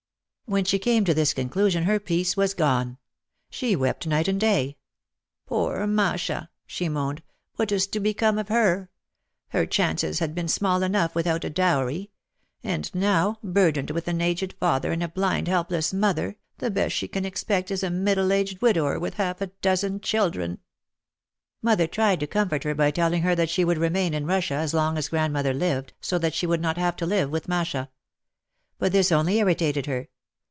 When she came to this conclusion her peace was gone. She wept night and day. "Poor Masha," she moaned, "what is to be come of her? Her chances had been small enough with out a dowry. And now, burdened with an aged father and a blind helpless mother, the best she can expect is a middle aged widower with half a dozen children !" Mother tried to comfort her by telling her that she would remain in Russia as long as grandmother lived, so that she would not have to live with Masha. But this only irritated her.